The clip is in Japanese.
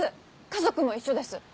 家族も一緒です。